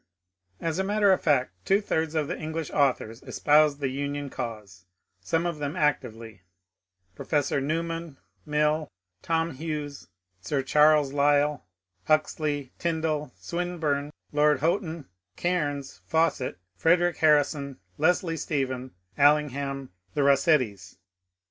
As a matter of fact, two thirds of the English authors espoused the Union cause, some of them ac tively, — Professor Newman, Mill, Tom Hughes, Sir Charles Lyell, Huxley, Tyndall, Swinburne, Lord Houghton, Cairnes, Fawcett, Frederic Harrison, Leslie Stephen, Allingham, the ENGLISH AUTHORS AND THE CIVIL WAR 407 Bossettis.